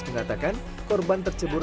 mengatakan korban tercebur